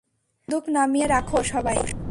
বন্দুক নামিয়ে রাখো, সবাই।